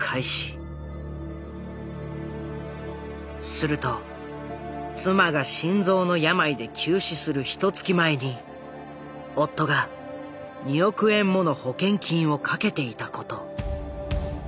すると妻が心臓の病で急死するひとつき前に夫が２億円もの保険金をかけていたこと。